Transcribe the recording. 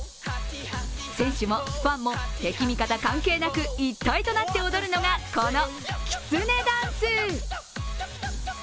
選手もファンも、敵味方関係なく一体となって踊るのがこのきつねダンス。